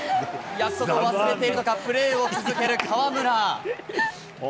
約束を忘れているのか、プレーを続ける河村。